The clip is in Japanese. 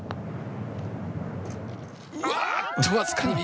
うわっと僅かに右。